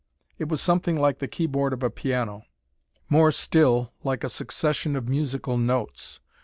It was something like the keyboard of a piano: more still, like a succession of musical notes.